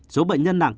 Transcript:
số bệnh nhân nặng